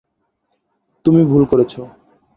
তুমি ভুল করছো।